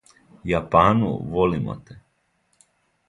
Јапану, волимо те!